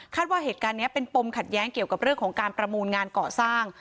ว่าเหตุการณ์นี้เป็นปมขัดแย้งเกี่ยวกับเรื่องของการประมูลงานก่อสร้าง